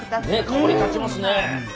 香り立ちますね。